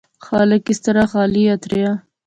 خالق اس طرح خالی ہتھ ریا